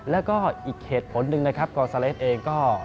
แล้วก็อีกเหตุผลหนึ่งนะครับกอซาเลสเองก็